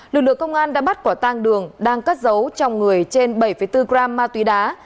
lực lượng công an đã bắt quả tang đường đang cất giấu trong người trên bảy bốn gram ma túy đá